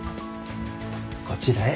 こちらへ。